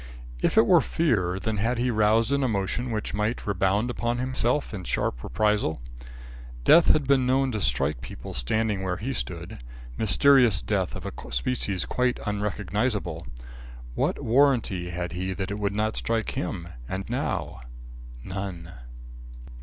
If it were fear, then had he roused an emotion which might rebound upon himself in sharp reprisal. Death had been known to strike people standing where he stood; mysterious death of a species quite unrecognisable. What warranty had he that it would not strike him, and now? None.